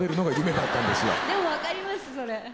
でも分かりますそれ。